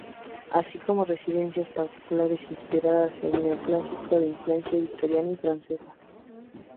Así como residencias particulares inspiradas en el neoclásico de influencia victoriana y francesa.